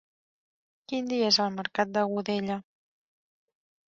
Quin dia és el mercat de Godella?